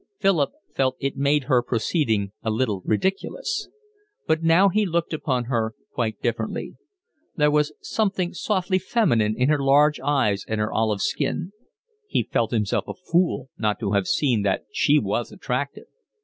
Philip felt it made her proceeding a little ridiculous. But now he looked upon her quite differently; there was something softly feminine in her large eyes and her olive skin; he felt himself a fool not to have seen that she was attractive.